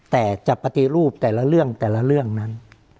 แต่จะปฏิรูปแต่ละเรื่องแต่ละเรื่องนั้น